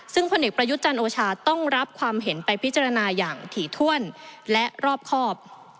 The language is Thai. ซึ่งพลเอกประยุทธ์จันทร์โอชาต้องรับความเห็นไปพิจารณาอย่างถี่ถ้วนและรอบครอบ